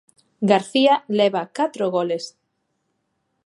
García leva catro goles.